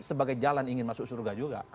sebagai jalan ingin masuk surga juga